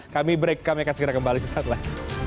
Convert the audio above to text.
kami break kami akan segera kembali sesat lah